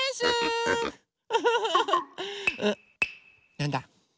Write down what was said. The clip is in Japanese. なんだ？